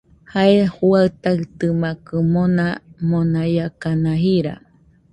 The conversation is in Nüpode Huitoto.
Jae juaɨ taitɨmakɨ, mona monaiakana jira